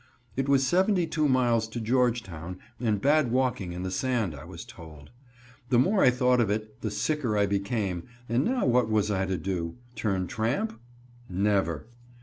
It was seventy two miles to Georgetown, and bad walking in the sand, I was told. The more I thought of it, the sicker I became, and now what was I to do? Turn tramp? Never!